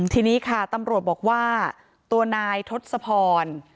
ทีนี้ค่ะตำรวจบอกว่าตัวนายทศพร